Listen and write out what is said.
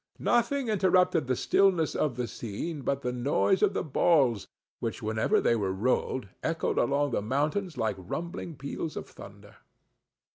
Nothing interrupted the stillness of the scene but the noise of the balls, which, whenever they were rolled, echoed along the mountains like rumbling peals of thunder.